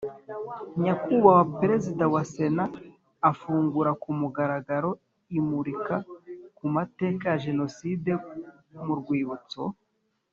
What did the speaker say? Nyakubahwa Perezida wa Sena afungura ku mugaragaro imurika ku mateka ya Jenoside mu rwibutso